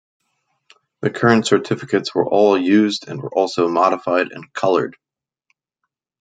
The current certificates were all used and were also modified and coloured.